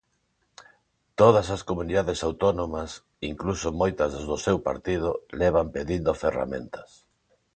Todas as comunidades autónomas, incluso moitas das do seu partido, levan pedindo ferramentas.